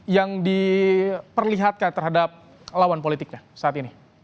yang diperlihatkan terhadap lawan politiknya saat ini